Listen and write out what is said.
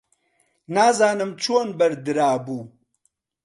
نازانم چۆن بەردرابوو.